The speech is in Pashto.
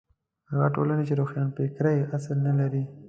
هغه ټولنې چې روښانفکرۍ اصل نه لري.